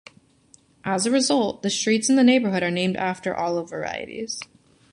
As a result, the streets in the neighborhood are named after olive varieties.